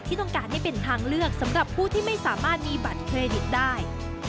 ที่ต้องการให้เป็นทางเลือกสำหรับผู้ที่ไม่สามารถมีบัตรเครดิตได้